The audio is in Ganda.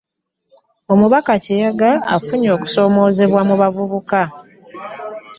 Omubaka Kiyaga afunye okusoomoozebwa mu bavubuka